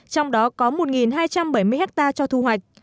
trong đó có một hai trăm bảy mươi hectare cho thu hoạch